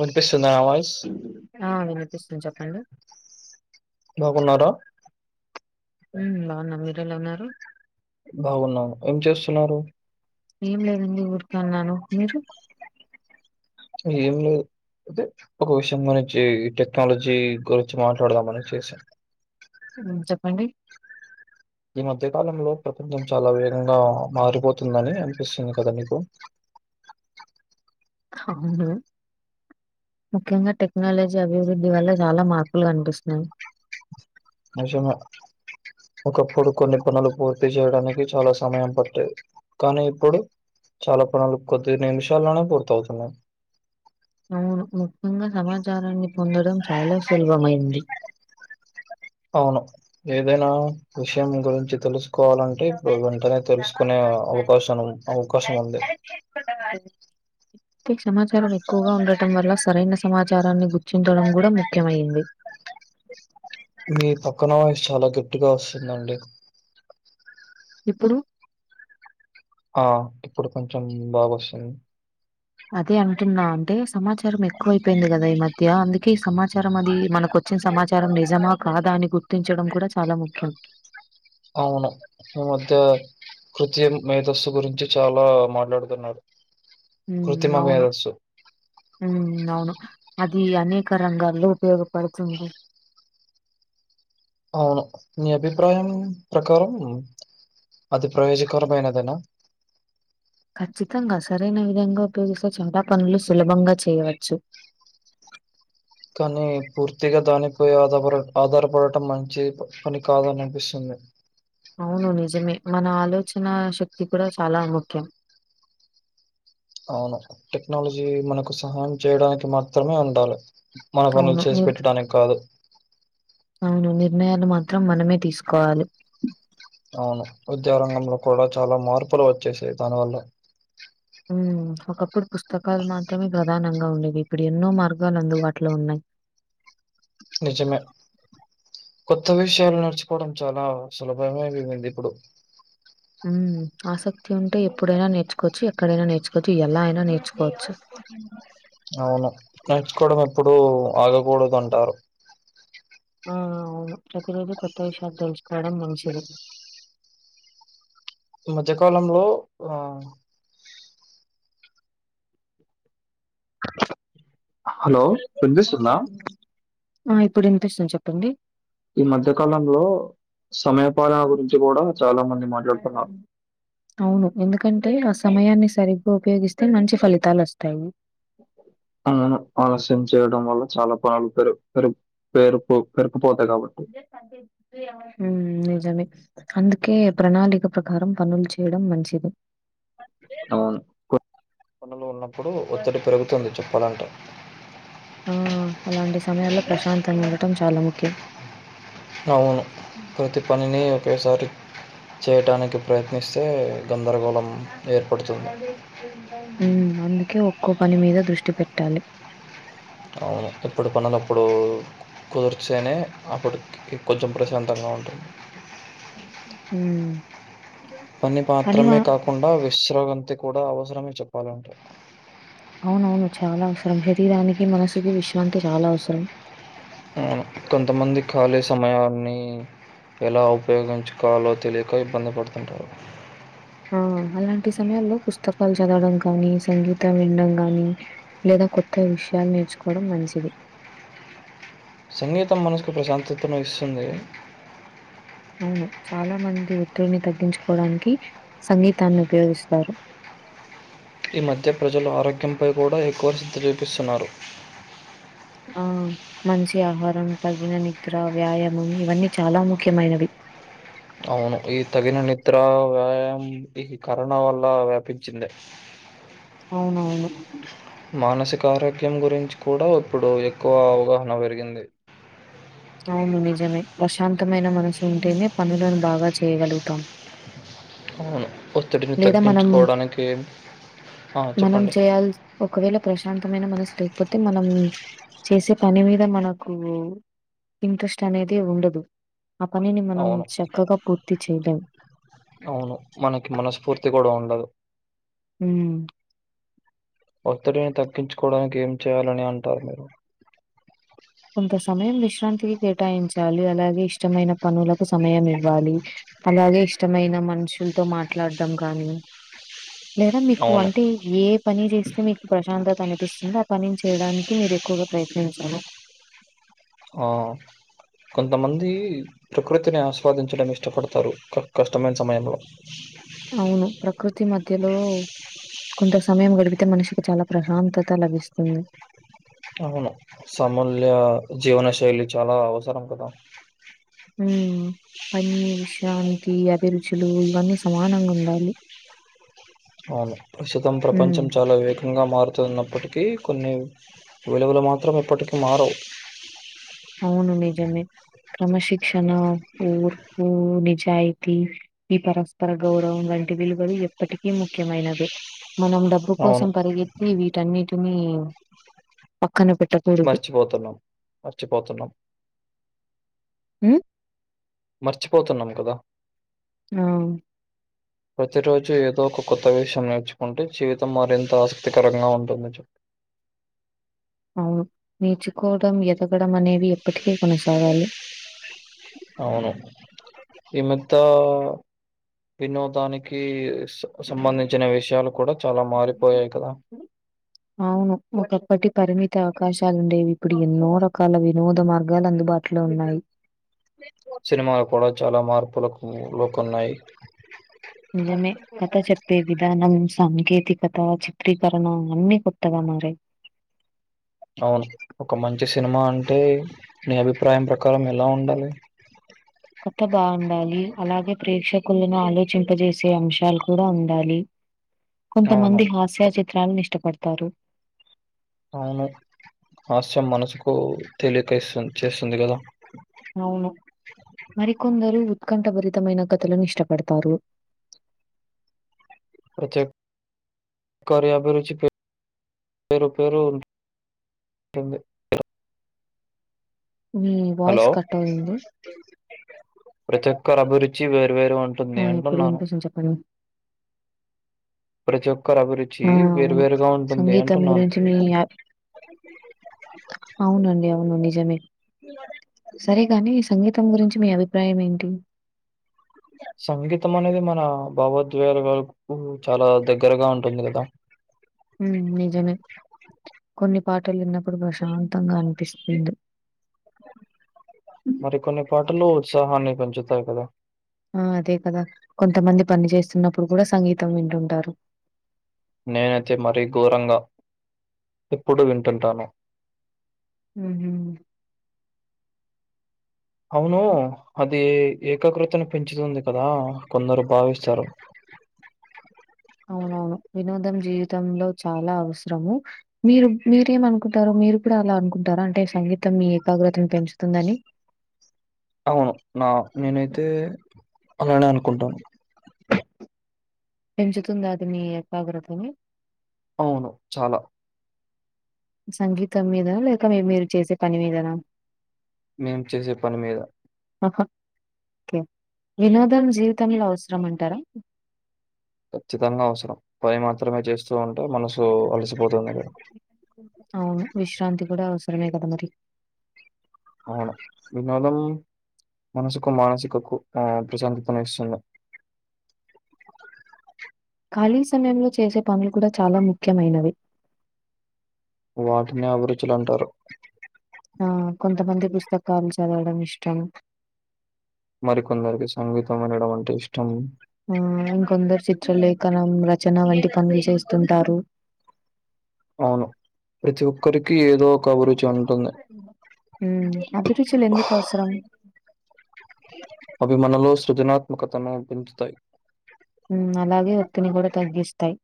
విన్పిస్తుందా నా వాయిస్ ఆ విన్పిస్తుంద్ చెప్పండి. బాగున్నారా? మ్ బాగున్నా, మీరెలా ఉన్నారు? బాగున్నాం, ఏం చేస్తున్నారు? ఏం లేదండి ఊరికే ఉన్నాను మీరు ఏం లేదు. అయితే ఒక విషయం గురించి టెక్నాలజీ గురించి మాట్లాడదామని చేసా చెప్పండి? ఈ మధ్య కాలంలో ప్రపంచం చాలా వేగంగా మారిపోతుందని అనిపిస్తుంది కదా మీకు అవును ముఖ్యంగా టెక్నాలజీ అభివృద్ధి వల్ల చాలా మార్పులు కనిపిస్తున్నాయి. నిజంగా ఒకప్పుడు కొన్ని పనులు పూర్తి చేయడానికి చాలా సమయం పట్టేది కానీ ఇప్పుడు చాలా పనులు కొద్ది నిమిషాల్లోనే పూర్తవుతున్నాయి. అవును ముఖ్యంగా సమాచారాన్ని పొందడం చాలా సులభమైంది. అవును ఏదైనా విషయం గురించి తెలుస్ కోవాలంటే ఇప్పుడు వెంటనే తెల్సుకునే అవకాశం అవకాశం ఉంది. అయితే సమాచారం ఎక్కువగా ఉండటం వల్ల సరైన సమాచారాన్ని గుర్తించడం గుడా ముఖ్యమైంది. మీ పక్కన వాయిస్ చాలా గట్టిగా వస్తుందండి. ఇప్పుడు? ఆ ఇప్పుడు కొంచం బాగొస్తుం అదే అంటున్నా అంటే సమాచారం ఎక్కువైపోయింది గదా ఈ మధ్య అందుకే ఈ సమాచారం అది మనకొ చ్చిన్ సమాచారం నిజమా, కాదా అని గుర్తించడం కూడా చాలా ముఖ్యం. అవును ఈ మధ్యా కృతమ్ మేధస్సు గురించి చాలా మాట్లాడుతున్నారు. మ్ కృత్రిమ అవును మేధస్సు. మ్ అవును అది అనేక రంగాల్లో ఉపయోగపడుతుంది. ఆ నీ అభిప్రాయం ప్రకారం అది ప్రయోజకరమైనదెనా? ఖచ్చితంగ సరైన విధంగా ఉపయోగిస్తే చెమ్ట పనులు సులభంగా చేయవచ్చు. కనీ పూర్తిగా దానిపై ఆధాపర ఆధారపడటం మంచి పని కాదన్ అనిపిస్తుంది. అవును నిజమే మన ఆలోచనా శక్తి కూడా చాలా ముఖ్యం. అవును టెక్నాలజీ మనకు సహాయం చేయడానికి మాత్రమే ఉండాలె. మన అవును. పనుల్ చేసి నిర్ పెట్టడానిక్ కాదు. అవును నిర్ణయాలు మాత్రం మనమే తీస్కోవాలి. అవును విద్యారంగంలో కూడా చాలా మార్పులు వచ్చేసాయి దానివల్ల హ్మ్ ఒకప్పుడు పుస్తకాలు మాత్రమే ప్రధానంగ ఉండేవి ఇప్పుడు ఎన్నో మార్గాలు అందుబాటులో ఉన్నాయి నిజమే కొత్త విషయాలు నేర్చుకోడం చాల సులభంగా అయిపోయింది ఇప్పుడు హ్మ్ ఆసక్తి ఉంటే ఎప్పుడైన నేర్చుకోచ్చు ఎక్కడైన నేర్చుకోచ్చు ఎలా అయిన నేర్చుకోచ్చు అవును నడుచుకోవడం ఎప్పుడు ఆగకూడదు అంటారు ఆ అవును ప్రతిరోజు కొత్త విషయాలు తెలుసుకోడం మంచిది మధ్యకాలంలో ఆ హలో విన్పిస్తుంద ఆ ఇప్పుడు విన్పిస్తుంది చెప్పండి ఈ మధ్యకాలంలో సమయపాలన గురించి గూడ చాల మంది మాట్లాడుతున్నా అవును. ఎందుకంటే ఆ సమయాన్ని సరిగ్గ ఉపయోగిస్తే మంచి ఫలితాలు ఓస్తాయి అవును ఆలస్యం చేయడం వల్ల చాల [unintelligible] పాలుతరురు పేరుపురుపు హ్మ్ నిజమే అందుకే ప్రణాళిక ప్రకారం పనులు చేయడం మంచిది అవును కొత్త పనులు ఉన్నప్పుడు ఒత్తిడి పెరుగుతుంది చెప్పాలంటే ఆ అలాంటి సమయాల్లో ప్రశాంతంగ ఉండటం చాల ముఖ్యం అవును ప్రతి పన్ని ఒకేసారి చేయటానికి ప్రయత్నిస్తే గ హే అందుకే కోపాని మీద దృష్టి పెట్టాలి అవును ఇప్పుడు పనులుప్పుడు కుదర్చేనే అప్పుడు కొంచెం ప్రశాంతంగ ఉంటుంది హ్మ్ పని పాత్రమే కాకుండ విశ్రావంతీ కూడ అవసరమే చెప్పాలంటే అవునవును చాల అవసరం శరీరానికి మనసుకి విశ్రాంతి చాల అవసరం అవును కొంతమంది ఖాళీ సమయాన్ని ఎలా ఉపయోగించుకోవాలో తెలియక ఇబ్బంది పడుతుంటరు ఆ! అలాంటి సమయాల్లో పుస్తకాలు చదవడం కానీ సంగీతం వినడం గాని లేదా కొత్త విష షయాలు నేర్చుకోడం మంచిది సంగీతం మనసుకు ప్రశాంతతను ఇస్తుంది అవును చాల మంది ఒత్తిడిని తగ్గించుకోడానికి సంగీతాన్ని ఉపయోగిస్తారు అ ఈ మధ్య ప్రజలు ఆరోగ్యంపై కూడ ఎక్కువ [unintelligible] చూపిస్తున్నారు ఆ మంచి ఆహారం తగిన నిద్ర వ్యాయామం ఇవన్నీ చాల ముఖ్యమైనవి అ అవును ఈ తగిన నిద్ర వ్యాయాం ఈ కరోన వల్ల వ్యాపించింది అవునవును మానసిక ఆరోగ్యం గురించి కూడ ఇప్పుడు ఎక్కువ అవగాహన పెరిగింది అవును నిజమే ప్రశాంతమైన మనసు ఉంటేనే పనులను బాగ చేయగలుగుతాం అవును ఒత్తిడిని లేదా మనం తగ్గించుకోడానికి మనం చేయల్ ఒకవేళ ప్రశ్న ప్రశాంతమైన మనసు లేకపోతే మనం చేసే పని మీద మనకు ఇంట్రెస్ట్ అనేది ఉండదు ఆ పనిని మనం అవును. చక్కగా పూర్తి చేయలేం శక్తీ కూడా ఉండదు హ ఒత్తిడిని తగ్గించుకోవడానికి ఏం చేయాలని అంటారు మీరు విశ్రాంతి కేటాయించాలి అలాగే ఇష్టమైన పనులకు సమయం ఇవ్వాలి అలాగే ఇష్టమైన న్న మనుషులతో మాట్లాడడం కానీ లేదా మీకు అవును. అంటే ఏ పని చేస్తే మీకు ప్రశాంతత అని నిపిస్తుందో ఆ పనిని చేయడానికి మీరు ఎక్కువగా ప్రయత్నించాలి ఆ కొంతమంది ప్రకృతిని ఆస్వాదించడం ఇష్టపడతారు కష్టమైన సమయంలో అవును ప్రకృతి మ మద్యలో కొంత సమయం గడిపితే మనిషికి చాలా ప్రశాంతత లభిస్తుంది అవును సమూల్య జీవన శైలి చాలా అవసరం కదా ఉ పని విశ్రాంతి అభిరుచులు ఇవన్నీ సమానంగా ఉండాలి అవును ప్రస్తుతం హ్మ్. ప్రపంచం చాలా వేగ ముఖ్యంగా మారుతున్నప్పటికీ కొన్ని విలువలు మాత్రం ఇప్పటికీ మారవు అవును నిజమే క్రమశిక్షణ ఉఊర్పు నిజాయితీ ఈ పరస్పర గౌరవం వ టి విలువలు ఎప్పటికీ ముఖ్యమైనవి మనం డబ్బు అవును. కోసం పరిగెత్తి వీటన్నిటిని పక్కన పెట్టకూడదు. మర్చిపోతున్నాం మర్చిపోతున్నాం ఉ మర్చిపోతున్నాం కదా ఆ ప్రతి రోజు ఏదో ఒక కొత్త విషయం నేర్చుకుంటే జీవితం మరింత ఆసక్తికరంగా ఉంటుందని చెప్పి అవును నేర్చుకోవడం ఎదగడం అనేవి ఎప్పటికీ కొనసాగాలి అవును ఈ మద్ద హ వినోదానికి స సంబంధించిన విషయాలు కూడా చాలా మారిపోయాయి కదా! అవును ఒకప్పటి పరిమితి అవకాశాలు ఉండేవి ఇప్పుడు ఎన్నో రకాల వినోద మార్గాలు అందుబాటులో ఉన్నాయి సినిమాలు కూడా చాలా మార్పులకు లో కొన్నాయి నిజమే కథ చెప్పే విధానం సాంకేతికత చిత్రీకరణ అన్ని కొత్త మారాయి అవును ఒక మంచి సినిమా అంటే నీ అభిప్రాయం ప్రకారం ఎలా ఉండాలి కథ బాగుండాలి అలాగే ప్రేక్షకులను ఆలోచింపజేసే అంశాలు కూడా ఉండాలి అవును. కొంతమంది క హాస్య చిత్రాలను ఇష్టపడతారు అవును హాస్యం మనసుకు తెలియకేస్తు చేస్తుంది కదా ఊకంఠభరితమైన కథలను ఇష్టపడతారు అచ్చేక్ కర అభిరుచి పేరు పేరు ఉటుంది మీ వాయిస్ కట్ అవుతుంది ప్రతి ఒక్కరు అభిరుచి వేరు వేరు గా ఉంటుంది ఆ ఇప్పుడు అంటున్నాను వినిపిస్తుంది చెప్పండి. ప్రజక్ ఒకరు అభిరుచి ఆ అవును. వేరువేరుగా ఉంటుంది సంగీతం అంటున్నాను గురించి మీ అ- అవునండి అవును నిజమే సరే గాని సంగీతం గురించి మీ అభిప్రాయం ఏంటి సంగీతం అనేది మన భావోద్వేలకు చాలా దగ్గరగా ఉంటుంది కదా ఉ నిజమే కొన్ని పాటలు విన్నప్పుడు ప్రశాంతంగా అనిపిస్తుంది మరి కొన్ని పాటలు ఉత్సాహాన్ని పెంచుతాయి కదా ఆ అదే కదా కొంతమంది పని చేస్తున్నప్పుడు కూడా సంగీతం వింటుంటారు నేనైతే మరీ ఘోరంగా ఎప్పుడు వింటుంటాను ఉహు అవును అదీ ఏకాగ్రతను పెంచుతుంది కదా కొందరు భావిస్తారు అవునవును. వినోదం జీవితంలో చాలా అవసరము మీరు మీరేమ అనుకుంటారు మీరు కూడా అలా అనుకుంటార అంటే సంగీతం మీ ఏకాగ్రతను పెంచుతుందని అవును నా నేనైతే అలానే అనుకుంటాను పెంచుతుంది అది మీ ఏకాగ్రతని అవును చాలా సంగీతం మీద లేక మీ మీరు చేసే పని మీదనా మేం చేసే పని మీద హ ఓకే వినోదం జీవితంలో అవసరం అంటారా ఖచ్చితంగా అవసరం పని మాత్రమే చేస్తూ ఉంట అవును విశ్రాంతి కూడా అవసరమే కద మరి అవును. వినోదం మనసుకు మానసికకు ప్రశాంతతను ఇస్తుంది ఖాళీ సమయంలో చేసే పనులు కూడా చాలా ముఖ్యమైనవి వాటినే అభిరుచులు అంటారు ఆ కొంతమంది పుస్తకాలు చదవడం ఇష్టం మరి కొందరికి సంగీతం వినడం అంటే ఇష్టం ఆ ఇంకొందరు చిత్రలేఖనం రచన వంటి పనులు చేస్తుంటారు ఆవును ప్రతి ఒక్కరికి ఏదో అభిరుచి ఉంటుంది. ఉమ్ అభిరుచులు ఎందుకు అవసరం అవి మనలో సృజనాత్మకతను పెంచుతాయి అలాగే ఒత్తిని కూడా తగ్గిస్తాయి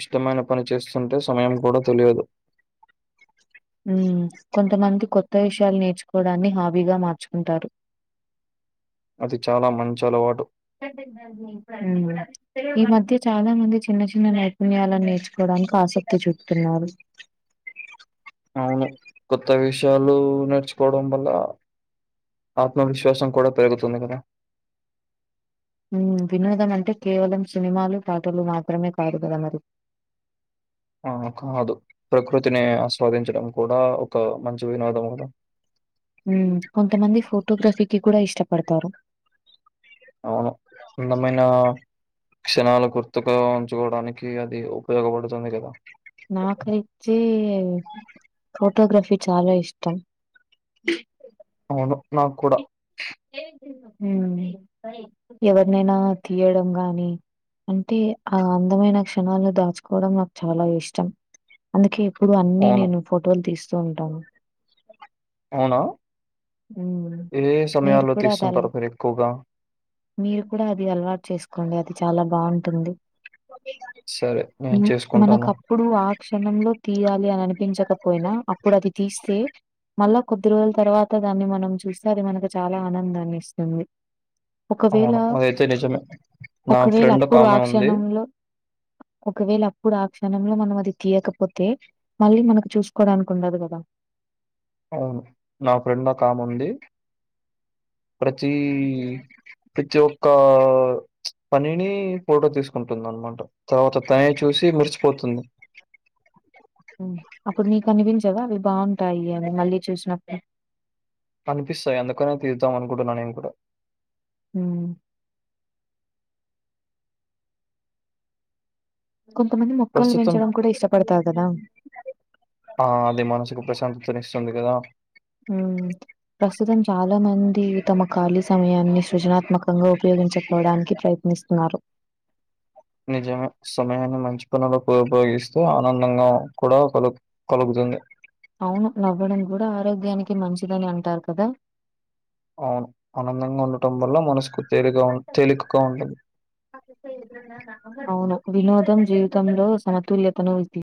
ఇష్టమైన పని చేస్తుంటే సమయం కూడా తెలియదు హ్మ్. కొంతమంది కొత్త విషయాలు నేర్చుకోవడాన్ని హాబీగా మార్చుకుంటారు అది చాలా మంచి అలవాటు. ఉ ఈ మధ్య చాలా మంది చిన్న చిన్న నైపుణ్యాలను నేర్చుకోవడానికి ఆసక్తి చూపుతున్నారు అవును కొత్త విషయాలు నేర్చుకోవడం వల్ల ఆత్మవిశ్వాసం కూడా పెరుగుతుంది కదా మ్ వినోదం అంటే కేవలం సినిమాలు పాటలు మాత్రమే కాదు కదా మరి. ఆ కాదు ప్రకృతిని ఆస్వాదించడం కూడా ఒక మంచి వినోదం క మ్ కొంతమంది ఫోటోగ్రాఫిక్ కూడా ఇష్టపడతారు. అవును అందమైనా క్షణాలు గుర్తుగా ఉంచుకోవడానికి అది ఉపయోగపడుతుంది కదా. నాకైతే హోప్ ఫోటోగ్రఫీ చాలా ఇష్టం. అవును నాకు కూడా ఎవరినైనా తీయడం గానీ అంటే ఆ అందమైన క్షణాలను దాచుకోవడం నాకు చాలా ఇష్టం అందుకే ఇప్పుడు అన్ని అవును. నేను ఫోటోలు తీస్తూ ఉంటాను. అవునా హ్మ్. ఏ ఏ మీరు సమయాల్లో కూడా అది అల తీస్తుంటారు మీరు ఎక్కువగా? మీరు కూడా అది అలవాటు చేసుకోండి అది చాలా బావుంటుంది. సరే. నేను మనకు చేసుకుంటాను. అప్పుడు ఆ క్షణంలో తీయాలి అని అనిపించకపోయినా అప్పుడు అది తీస్తే మళ్ళా కొద్ది రోజుల తర్వా త దాన్ని మనం చూస్తే అది మనకు చాలా ఆనందాన్ని ఇస్తుంది. ఒకవేళ అవును. అదైతే నిజమే. నా ఒకవేళ ఫ్రెండ్ అప్పుడు ఆ ఒకామె ఉంది. క్షణంలో ఒకవేళ అప్పుడు ఆ క్షణంలో మనం అది తీయకపోతే మళ్ళీ మనకు చూసుకోవడానికి ఉండదు కదా. అవును నా ఫ్రెండు ఒకామె ఉంది. ప్రతి ప్రతి ఒక్క పనిని ఫోటో తీసుకుంటుంది అనమాట తర్వాత తనే చూసి మరిసిపోతుంది. అప్పుడు నీకు అనిపించదా అవి బావుంటాయి అవి మళ్ళీ చూసినప్పుడు అనిపిస్తాయి అందుకనే తీద్దాం అనుకుంటున్నా నేను కూడా ఉ కొంతమంది మొక్కలను ప్రస్తుతం పెంచడం కూడా ఇష్టపడతారు కదా ఆ అది మనసుకు ప్రశాంతతనిస్తుంది కదా ఉ ప్రస్తుతం చాలా మంది తమ ఖాళీ సమయాన్ని సృజనాత్మకంగా ఉపయోగించకోవడానికి ప్రయత్న స్తున్నారు నిజమే సమయాన్ని మంచి పనులో ఉప ఉపయోగిస్తూ ఆనందంగా కూడా కలు కలుగుతుంది. ఇంగా అవును నవ్వడం కూడా ఆరోగ్యానికి మంచిదని అంటారు కదా? అవును ఆనందంగా ఉండటం వల్ల మనసుకు తేలిగా తేలికగా ఉంటుంది అవును వినోదం జీవితంలో సమతుల్యతను ఇది